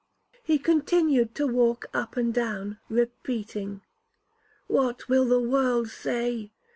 He continued to walk up and down, repeating, 'What will the world say?